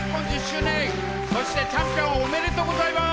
そしてチャンピオンおめでとうございます。